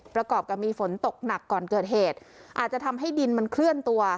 ประกอบกับมีฝนตกหนักก่อนเกิดเหตุอาจจะทำให้ดินมันเคลื่อนตัว